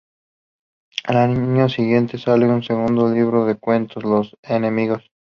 Al año siguiente sale su segundo libros de cuentos, "Los enemigos".